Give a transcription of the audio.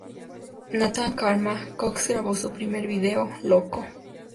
Nathan "Karma" Cox grabó su primer video, "Loco".